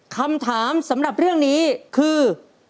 คำถามสำหรับเรื่องนี้คือ